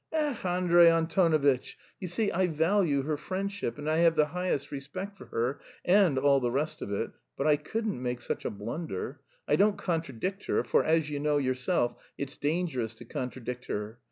Ech, Andrey Antonovitch! You see, I value her friendship and I have the highest respect for her... and all the rest of it... but I couldn't make such a blunder. I don't contradict her, for, as you know yourself, it's dangerous to contradict her.